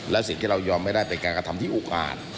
และสิ่งที่เรายอมไม่ได้เป็นการกระทำที่อุกอ่าน